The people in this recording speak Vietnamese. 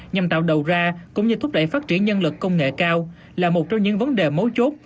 nhằm tạo đầu ra cũng như thúc đẩy phát triển nhân lực công nghệ cao là một trong những vấn đề mấu chốt